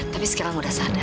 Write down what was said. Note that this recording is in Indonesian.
tapi sekarang udah sadar